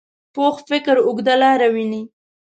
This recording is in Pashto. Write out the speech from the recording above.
پوخ فکر اوږده لاره ویني